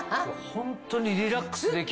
ホントにリラックスできるんだよ。